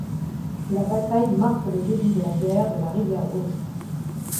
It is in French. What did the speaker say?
La bataille marque le début de la guerre de la rivière Rouge.